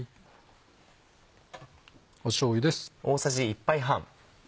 しょうゆです。